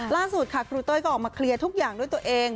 ล่าสุดค่ะครูเต้ยก็ออกมาเคลียร์ทุกอย่างด้วยตัวเอง